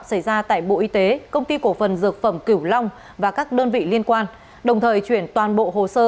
xảy ra tại bộ y tế công ty cổ phần dược phẩm cửu long và các đơn vị liên quan đồng thời chuyển toàn bộ hồ sơ